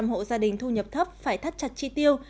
một mươi bảy hộ gia đình thu nhập thấp phải thắt chặt tri tiêu